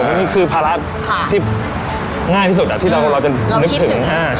นี่คือภาระที่ง่ายที่สุดที่เราจะนึกถึง๕๐